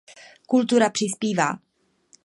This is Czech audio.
Kultura přispívá.